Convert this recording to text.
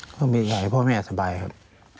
ก็มีอยากให้พ่อแม่สบายครับ